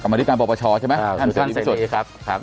คือท่านเสรีครับ